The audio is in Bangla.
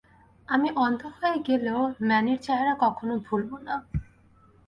আমি অন্ধ হয়ে গেলেও ম্যানির চেহারা কখনো ভুলবো না।